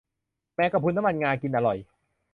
แมงกะพรุนน้ำมันงา กินอร่อย